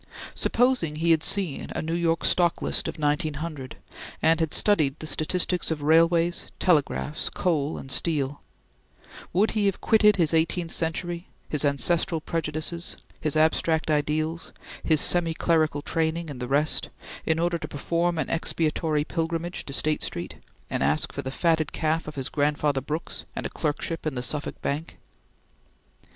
Supposing he had seen a New York stock list of 1900, and had studied the statistics of railways, telegraphs, coal, and steel would he have quitted his eighteenth century, his ancestral prejudices, his abstract ideals, his semi clerical training, and the rest, in order to perform an expiatory pilgrimage to State Street, and ask for the fatted calf of his grandfather Brooks and a clerkship in the Suffolk Bank?